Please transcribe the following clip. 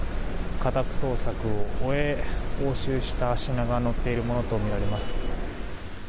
家宅捜索を終え、押収した品が載っているものとみられます。